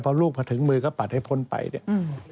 พอลูกมาถึงมือก็ปัดให้พ้นไปเนี่ย